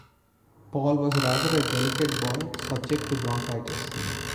Paul was rather a delicate boy, subject to bronchitis.